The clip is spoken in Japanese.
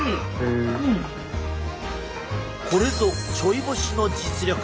これぞちょい干しの実力！